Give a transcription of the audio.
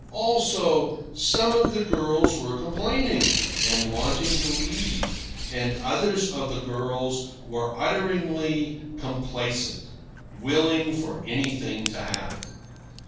Also, some of the girls were complaining, and wanting to leave, and others of the girls were titteringly complacent, willing for anything to happen.